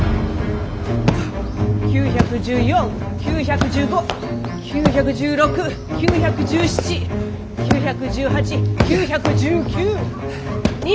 ９１４９１５９１６９１７９１８９１９２０！